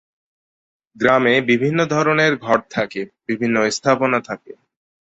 গ্রামে বিভিন্ন ধরনের ঘর থাকে, বিভিন্ন স্থাপনা থাকে।